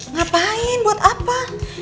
ngapain buat apa